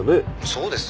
「そうです」